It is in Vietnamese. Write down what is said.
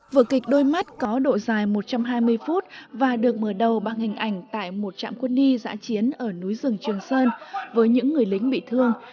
vở kịch đôi mắt có độ dài một trăm hai mươi phút và được mở đầu bằng hình ảnh tại một trạm quân y giã chiến ở núi rừng trường sơn với những người lính bị thương